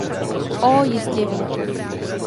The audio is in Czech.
O jistě ví.